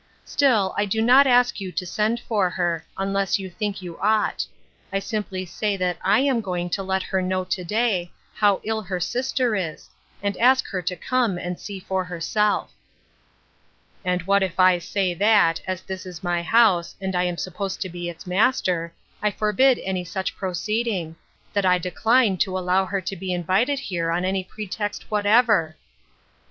Still, I do not ask you to send for her, unless you think you ought ; I simply say that I am going to let her know to day how ill her sister is, and ask her to come and see for herself." " And what if I say that, as this is my house, and I am supposed to be its master, I forbid any such proceeding ; that I decline to allow her to be invited here on any pretext whatever